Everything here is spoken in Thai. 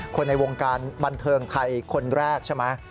ในวงการบันเทิงไทยคนแรกใช่ไหม